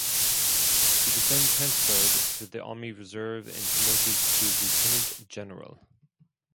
He was then transferred to the Army reserve and promoted to Lieutenant General.